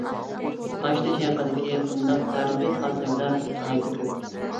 قاشتېشى ھەققىدىكى بۇنداق تارىخىي خاتىرىلەر ناھايىتى كۆپ.